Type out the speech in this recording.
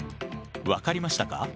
分かりましたか？